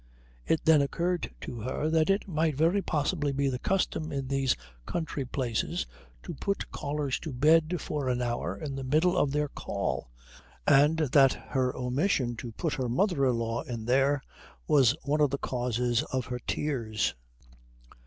It then occurred to her that it might very possibly be the custom in these country places to put callers to bed for an hour in the middle of their call, and that her omission to put her mother in law there was one of the causes of her tears.